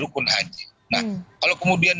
hukum haji nah kalau kemudian